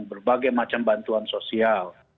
berbagai macam bantuan sosial